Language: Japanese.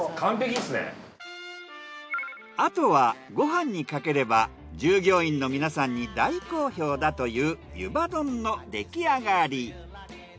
あとはご飯にかければ従業員の皆さんに大好評だというゆば丼の出来上がり。